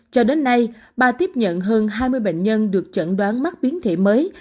cho đến nay ba tiếp nhận hơn hai mươi bệnh nhân được chẩn đoán mắc biến thể mới